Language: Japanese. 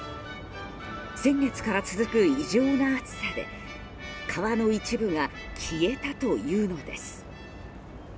先月から続く異常な暑さで川の一部が消えたというのです。